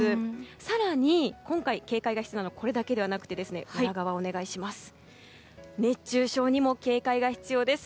更に、今回警戒が必要なのはこれだけではなくて熱中症にも警戒が必要です。